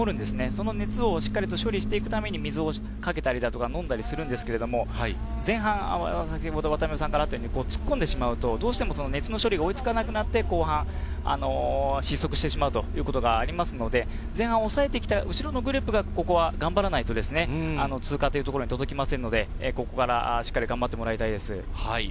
その熱を処理していくために水をかけたり、飲んだりするんですけれど、前半突っ込んでしまうと、どうしても別の処理が追いつかなくなって、後半、失速してしまうということがありますので、前半抑えてきた後ろのグループが頑張らないと通過というところに届きませんので、ここからしっかり頑張ってもらいたいです。